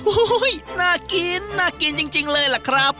โอ้โหน่ากินน่ากินจริงเลยล่ะครับ